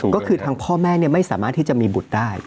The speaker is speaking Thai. ก็คือทางพ่อแม่ไม่สามารถที่จะมีบุตรได้